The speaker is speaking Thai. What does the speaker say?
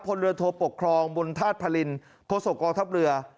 ผลเรือโทปกครองบนธาตุภารินโค้ดส่งกองทัพเรือ